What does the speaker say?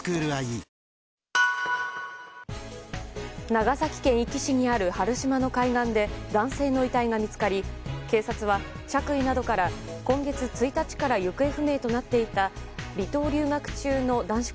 長崎県壱岐市にある原島の海岸で男性の遺体が見つかり警察は着衣などから今月１日から行方不明となっていた離島留学中の男子